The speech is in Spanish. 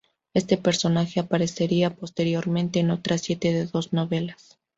Este personaje aparecería posteriormente en otras siete de sus novelas.